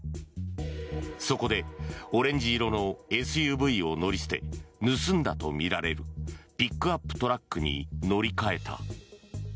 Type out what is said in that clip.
そこでオレンジ色のＳＵＶを乗り捨て盗んだとみられるピックアップトラックに乗り換えた。